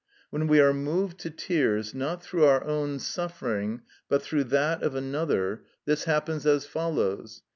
When we are moved to tears, not through our own suffering but through that of another, this happens as follows.